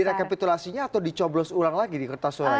di rekapitulasinya atau dicoblos ulang lagi di kertas suaranya